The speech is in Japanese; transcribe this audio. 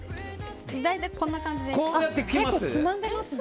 大体こんな感じで。